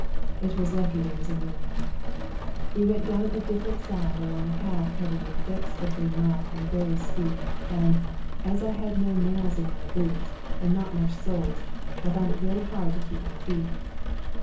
It was lucky there was a moon. We went down a different side along a path covered with thick slippery mud and very steep, and, as I had no nails in my boots and not much soles, I found it hard to keep my feet.